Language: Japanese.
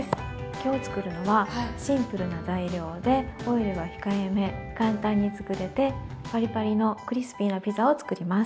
今日作るのはシンプルな材料でオイルは控えめ簡単に作れてパリパリのクリスピーなピザを作ります。